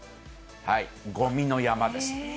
ごみの山です。